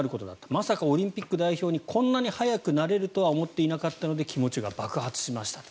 まさかオリンピック代表にこんなに早くなれるとは思っていなかったので気持ちが爆発しましたと。